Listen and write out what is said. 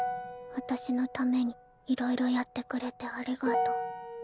私のためにいろいろやってくれてありがとう。